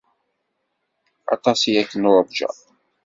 Aṭas i ak-nurǧa.